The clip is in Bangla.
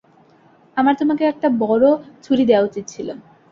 আমার তোমাকে একটা বড়ো ছুরি দেয়া উচিত ছিল।